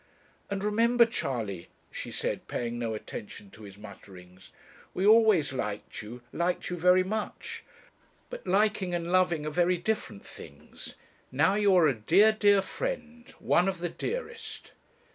'And remember, Charley,' she said, paying no attention to his mutterings, 'we always liked you liked you very much; but liking and loving are very different things. Now you are a dear, dear friend one of the dearest.'